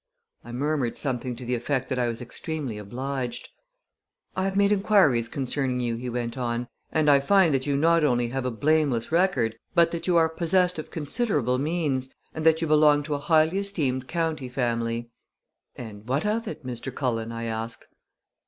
I murmured something to the effect that I was extremely obliged. "I have made inquiries concerning you," he went on, "and I find that you not only have a blameless record but that you are possessed of considerable means, and that you belong to a highly esteemed county family." "And what of it, Mr. Cullen?" I asked.